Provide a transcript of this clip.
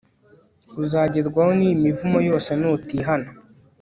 uzagerwaho n'iyi mivumo yose nutihana